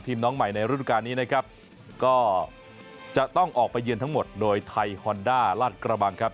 น้องใหม่ในฤดูการนี้นะครับก็จะต้องออกไปเยือนทั้งหมดโดยไทยฮอนด้าลาดกระบังครับ